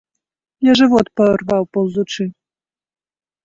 Я жывот парваў паўзучы.